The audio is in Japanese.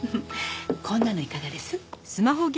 こんなのいかがです？